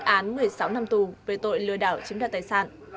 án một mươi sáu năm tù về tội lừa đảo chiếm đoạt tài sản